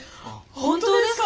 本当ですか？